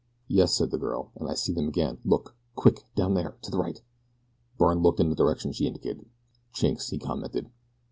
"Yes," said the girl, "and I see them again. Look! Quick! Down there to the right." Byrne looked in the direction she indicated. "Chinks," he commented.